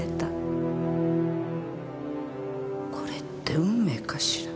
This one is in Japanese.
これって運命かしら。